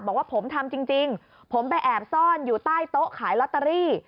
บอกว่าผมทำจริงผมไปแอบซ่อนอยู่ใต้โต๊ะขายลอตเตอรี่